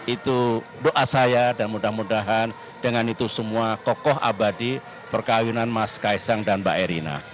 itu doa saya dan mudah mudahan dengan itu semua kokoh abadi perkawinan mas kaisang dan mbak erina